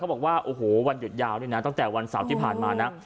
บอกว่าโอ้โหวันหยุดยาวนี่นะตั้งแต่วันเสาร์ที่ผ่านมานะ